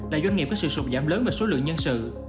là doanh nghiệp có sự sụp giảm lớn về số lượng nhân sự